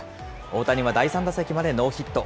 大谷は第３打席までノーヒット。